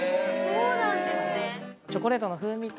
そうなんですね